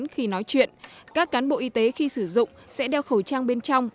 khi nói chuyện các cán bộ y tế khi sử dụng sẽ đeo khẩu trang bên trong